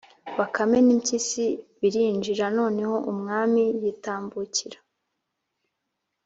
bakame n’impyisi birinjira. noneho umwami yitambukira,